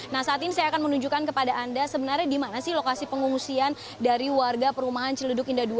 nah saat ini saya akan menunjukkan kepada anda sebenarnya di mana sih lokasi pengungsian dari warga perumahan celeduk indah dua